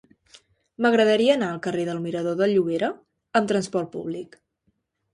M'agradaria anar al carrer del Mirador de Llobera amb trasport públic.